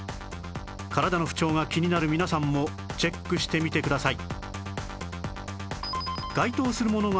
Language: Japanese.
体の不調が気になる皆さんもチェックしてみてください